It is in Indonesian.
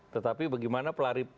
tetapi bagaimana pelari